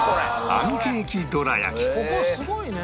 ここすごいね！